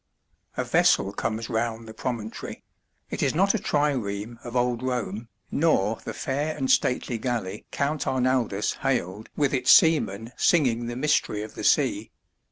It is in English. A vessel comes round the promontory; it is not a trireme of old Rome, nor the "fair and stately galley" Count Arnaldus hailed with its seamen singing the mystery of the sea.